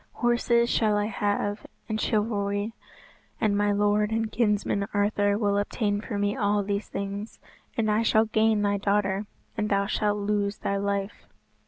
Horses shall I have, and chivalry; and my lord and kinsman Arthur will obtain for me all these things. And I shall gain thy daughter, and thou shalt lose thy life."